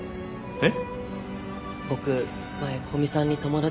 えっ。